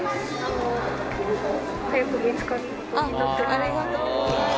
ありがとうございます。